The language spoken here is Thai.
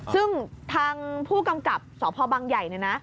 ซึ่งทางผู้กำกับสพบังใหญ่